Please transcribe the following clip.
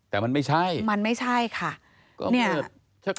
แต่มันไม่ใช่ค่ะนี่ช่างมืด